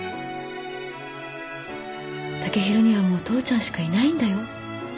剛洋にはもう父ちゃんしかいないんだよ。